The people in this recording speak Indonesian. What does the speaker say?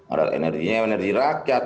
ada energinya dari rakyat